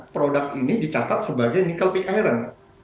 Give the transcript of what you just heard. produk ini dicatat sebagai nikel pick iron